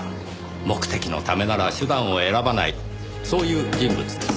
目的のためなら手段を選ばないそういう人物です。